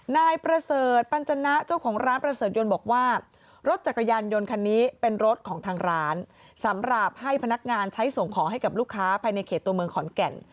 นายประเสริฐปัญจนะเจ้าของร้านประเสริฐยนต์บอกว่ารถจักรยานยนต์คันนี้เป็นรถของทางร้านสำหรับให้พนักงานใช้ส่งของให้กับลูกค้าภายในเขตตัวเมืองขอนแก่น